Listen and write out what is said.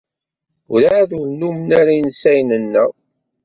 Werɛad ur nnummen ara insayen-nneɣ.